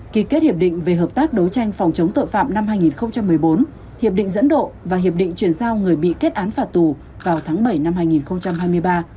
ký kết hiệp định về hợp tác đấu tranh phòng chống tội phạm năm hai nghìn một mươi bốn hiệp định dẫn độ và hiệp định chuyển giao người bị kết án phạt tù vào tháng bảy năm hai nghìn hai mươi ba